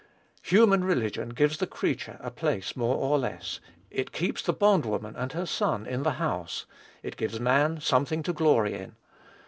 Human religion gives the creature a place more or less; it keeps the bond woman and her son in the house; it gives man something to glory in.